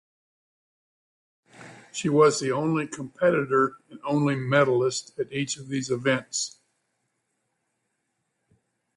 She was the only competitor and only medalist at each of these events.